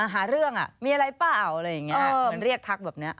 หาเรื่องมีอะไรเปล่าอะไรอย่างนี้เหมือนเรียกทักแบบนี้